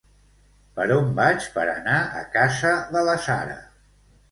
Per on vaig per a anar a casa de la Sara?